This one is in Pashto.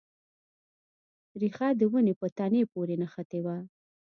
ریښه د ونې په تنې پورې نښتې وه.